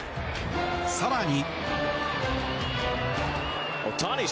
更に。